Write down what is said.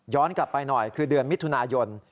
กลับไปหน่อยคือเดือนมิถุนายน